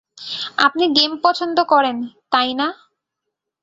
আপনি গেম পছন্দ করেন, তাই না?